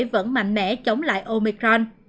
vẫn mạnh mẽ chống lại omicron